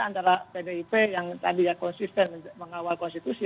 antara pdip yang tadi ya konsisten mengawal konstitusi